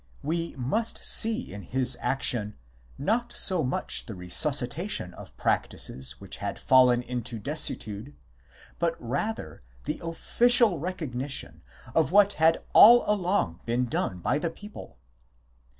6), we must see in his action not so much the resuscitation of practices which had fallen into desuetude, but rather the official recognition of what had all along been done by the people.